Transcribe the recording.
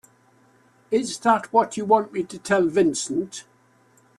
Is that what you want me to tell Vincent?